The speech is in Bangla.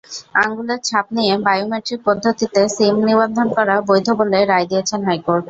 আঙুলের ছাপ নিয়ে বায়োমেট্রিক পদ্ধতিতে সিম নিবন্ধন করা বৈধ বলে রায় দিয়েছেন হাইকোর্ট।